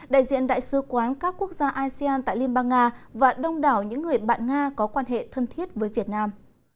đại diện đại sứ quán các quốc gia asean tại liên bang nga và đông đảo những người bạn nga có quan hệ thân thiết với việt nam